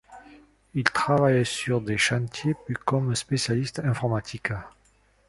Il travaille sur des chantiers, puis comme spécialiste informatique.